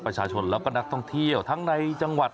ประชาชนแล้วก็นักท่องเที่ยวทั้งในจังหวัด